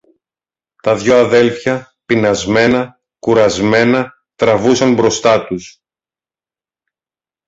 Τα δυο αδέλφια, πεινασμένα, κουρασμένα, τραβούσαν μπροστά τους.